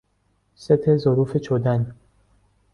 ست ظروف چدن